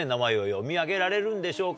読み上げられるんでしょうか。